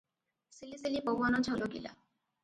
ସିଲି ସିଲି ପବନ ଝଲକିଲା ।